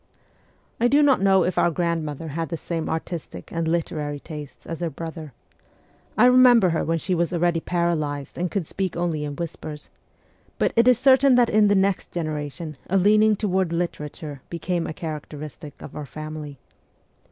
I do not know if our grandmother had the same artistic and literary tastes as her brother I remember her when she was already paralyzed and could speak only in whispers ; but it is certain that in the next genera tion a leaning toward literature became a characteristic of our family